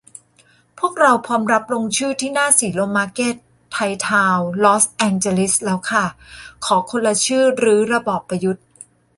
พวกเราพร้อมรับลงชื่อ ที่หน้าสีลมมาร์เก็ต ไทยทาวน์ ลอสแองเจลิสแล้วค่ะ ขอคนละชื่อรื้อระบอบประยุทธ์